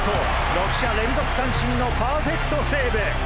６者連続三振のパーフェクトセーブ！